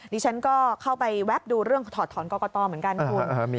ดิฉันก็เข้าไปแวบดูเรื่องถอดถอนกรกตเหมือนกันคุณ